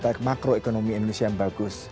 baik makroekonomi indonesia yang bagus